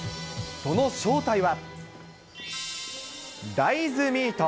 その正体は。